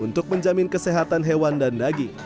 untuk menjamin kesehatan hewan dan daging